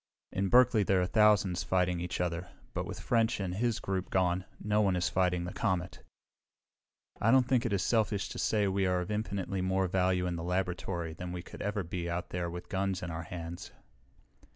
"In Berkeley there are thousands fighting each other, but with French and his group gone, no one is fighting the comet. I don't think it is selfish to say we are of infinitely more value in the laboratory than we could ever be out there with guns in our hands."